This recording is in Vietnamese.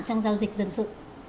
trong giao dịch dân sự